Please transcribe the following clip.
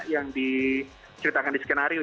yang diceritakan di skenario